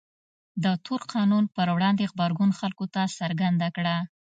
د تور قانون پر وړاندې غبرګون خلکو ته څرګنده کړه.